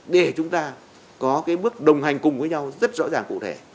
để chúng ta có cái bước đồng hành cùng với nhau rất rõ ràng cụ thể